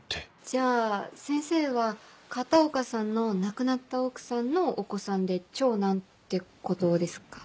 じゃあ先生は片岡さんの亡くなった奥さんのお子さんで長男ってことですか？